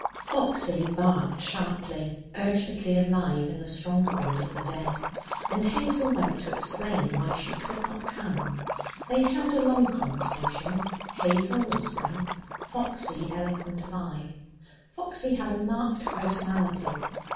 Foxy barked sharply, urgently alive in the stronghold of the dead, and Hazel went to explain why she could not come. They held a long conversation, Hazel whispering. Foxy eloquent of eye. Foxy had a marked personality.